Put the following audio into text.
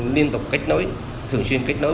liên tục kết nối thường xuyên kết nối